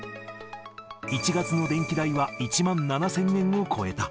１月の電気代は１万７０００円を超えた。